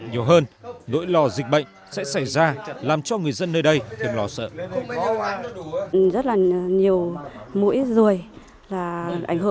nhiều hơn nỗi lò dịch bệnh sẽ xảy ra làm cho người dân nơi đây thêm lò sợ